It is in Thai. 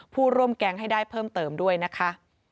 ผู้ร่วมแก๊งให้ได้เพิ่มเติมด้วยนะคะ